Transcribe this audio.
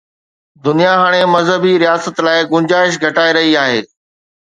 دنيا هاڻي مذهبي رياست لاءِ گنجائش گهٽائي رهي آهي.